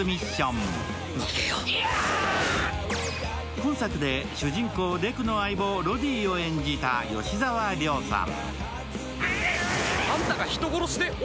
今作で主人公・デクの相棒ロディを演じた吉沢亮さん。